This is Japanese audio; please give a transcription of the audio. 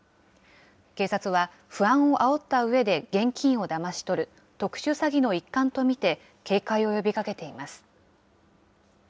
警察は、不安をあおったうえで現金をだまし取る特殊詐欺の一環と見て、警戒を呼びかけています。